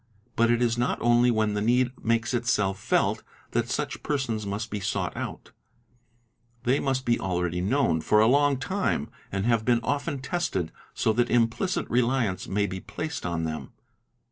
But jt is not only when the need makes itself felt that such persons must be sought out; they must be already known for a long time and have been ~ often tested, so that implicit reliance may be placed on them.